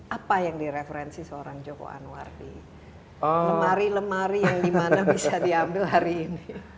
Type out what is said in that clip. apa yang direferensi seorang joko anwar di lemari lemari yang dimana bisa diambil hari ini